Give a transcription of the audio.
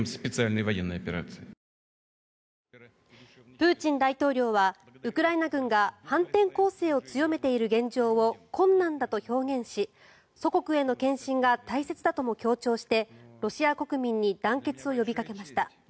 プーチン大統領はウクライナ軍が反転攻勢を強めている現状を困難だと表現し祖国への献身が大切だとも強調してロシア国民に団結を呼びかけました。